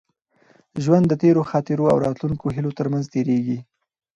ژوند د تېرو خاطرو او راتلونکو هیلو تر منځ تېرېږي.